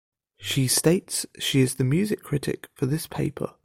She states she is the music critic for this paper.